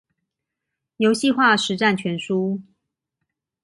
遊戲化實戰全書